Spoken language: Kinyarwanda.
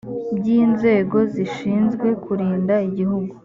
by inzego zishinzwe kurinda igihugu